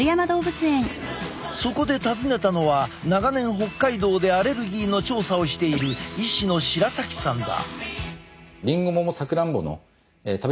そこで訪ねたのは長年北海道でアレルギーの調査をしている医師の白崎さんだ。